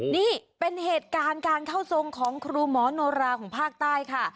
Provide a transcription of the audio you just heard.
นี่เป็นเหตุการณ์การเข้าทรงของครูหมอโนราของภาคใต้ค่ะ